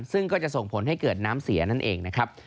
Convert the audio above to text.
ซึ่งก็จะส่งผลให้เกิดน้ำเสียนั่นเองนะครับ